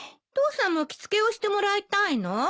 父さんも着付けをしてもらいたいの？